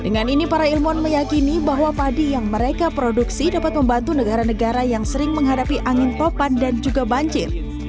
dengan ini para ilmuwan meyakini bahwa padi yang mereka produksi dapat membantu negara negara yang sering menghadapi angin topan dan juga banjir